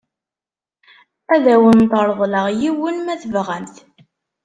Ad awent-reḍleɣ yiwen ma tebɣamt.